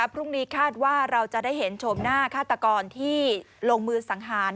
พรุ่งนี้คาดว่าเราจะได้เห็นชมหน้าฆาตกรที่ลงมือสังหาร